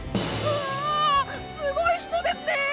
わっすごい人ですね！